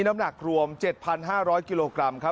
น้ำหนักรวม๗๕๐๐กิโลกรัมครับ